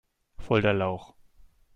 Voll der Lauch!